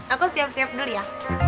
apa siap siap dulu ya